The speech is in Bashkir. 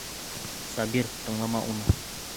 Сабир, тыңлама уны!